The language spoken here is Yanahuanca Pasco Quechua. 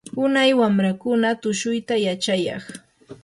unay wamrakuna tushuyta yachayaq.